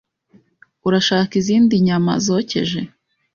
Urashaka izindi nyama zokeje?